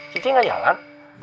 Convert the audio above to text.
citi gak jalan